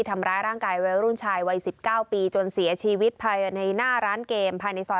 ทำร้ายร่างกายวัยรุ่นชายวัย๑๙ปีจนเสียชีวิตภายในหน้าร้านเกมภายในซอย